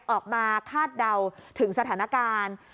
ออกมาคาดเดาถึงสถานการณ์